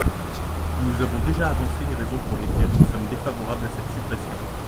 Nous avons déjà avancé les raisons pour lesquelles nous sommes défavorables à cette suppression.